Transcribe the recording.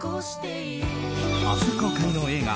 明日、公開の映画